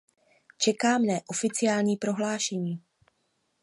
Čeká mne oficiální prohlášení.